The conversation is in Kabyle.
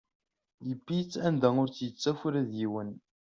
Yewwi-t anda ur t-yettaf ula d yiwen.